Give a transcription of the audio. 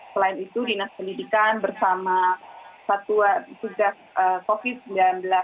selain itu dinas pendidikan bersama satuan tugas covid sembilan belas